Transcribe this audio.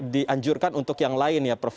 dianjurkan untuk yang lain ya prof